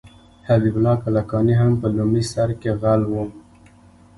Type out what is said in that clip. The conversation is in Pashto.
حبیب الله کلکاني هم په لومړي سر کې غل و.